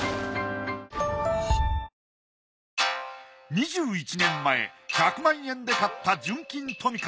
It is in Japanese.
２１年前１００万円で買った純金トミカ。